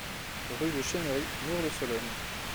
Rue de Chémery, Mur-de-Sologne